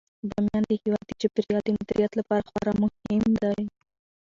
بامیان د هیواد د چاپیریال د مدیریت لپاره خورا مهم دی.